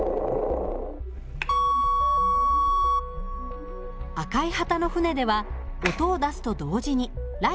赤い旗の船では音を出すと同時にライトを点灯します。